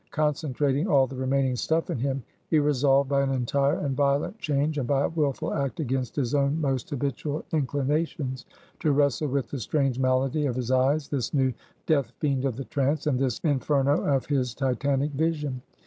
Concentrating all the remaining stuff in him, he resolved by an entire and violent change, and by a willful act against his own most habitual inclinations, to wrestle with the strange malady of his eyes, this new death fiend of the trance, and this Inferno of his Titanic vision.